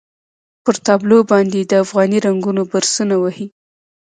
پر تابلو باندې یې د افغاني رنګونو برسونه وهي.